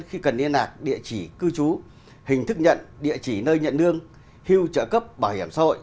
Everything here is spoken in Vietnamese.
khi cần liên lạc địa chỉ cư trú hình thức nhận địa chỉ nơi nhận lương hưu trợ cấp bảo hiểm xã hội